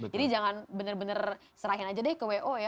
jadi jangan benar benar serahin aja deh ke w o i ya